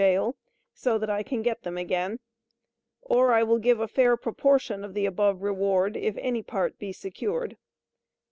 Jail, so that I can get them again; or I will give a fair proportion of the above reward if any part be secured.